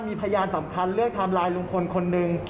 มีพยานสำคัญเรื่องทำลายลุงคนคนนึง